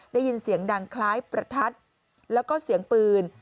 ได้ยินเสียงดังคล้ายประทัดแล้วก็เสียงปืน